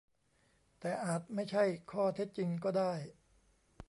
แต่อาจไม่ใช่ข้อเท็จจริงก็ได้